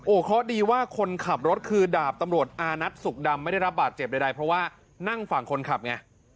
เพราะดีว่าคนขับรถคือดาบตำรวจอานัทสุขดำไม่ได้รับบาดเจ็บใดเพราะว่านั่งฝั่งคนขับไง